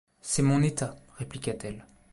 C’est mon état, répliqua-t-elle.